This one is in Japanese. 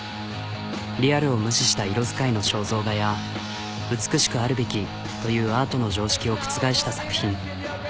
リアルを無視した色使いの肖像画や「美しくあるべき」というアートの常識を覆した作品。